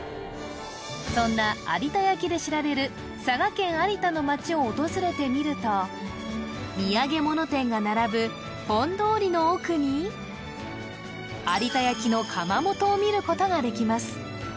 そんな有田焼で知られる佐賀県有田の町を訪れてみると土産物店が並ぶ本通りの奥に有田焼の窯元を見ることができます